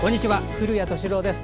古谷敏郎です。